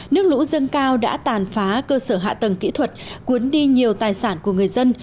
nước lũ dâng cao đã tàn phá cơ sở hạ tầng kỹ thuật cuốn đi nhiều tài sản của người dân